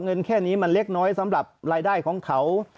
เงินแค่นี้มันเล็กน้อยสำหรับรายได้ของเขา